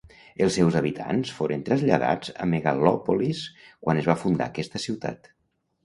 Els seus habitants foren traslladats a Megalòpolis quan es va fundar aquesta ciutat.